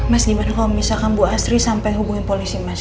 mas gimana kalau misalkan bu asri sampai hubungin polisi mas